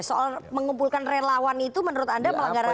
soal mengumpulkan relawan itu menurut anda melanggaran apa